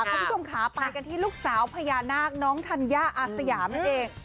คุณผู้ชมค่ะไปกันที่ลูกสาวพญานาคน้องธัญญาอาสยามนั่นเอง